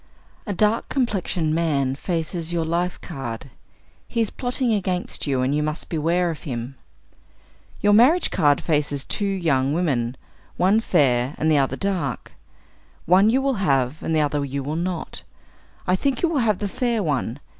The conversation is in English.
A dark complexioned man faces your life card. He is plotting against you, and you must beware of him. Your marriage card faces two young women, one fair and the other dark. One you will have, and the other you will not. I think you will have the fair one.